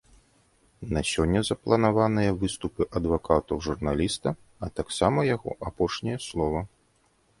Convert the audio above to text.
На сёння запланаваныя выступы адвакатаў журналіста, а таксама яго апошняе слова.